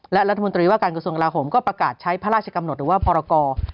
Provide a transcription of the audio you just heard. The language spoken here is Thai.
และรัฐมนตรีว่าการกระทรวงกลาโหมก็ประกาศใช้พระราชกำหนดหรือว่าพรกร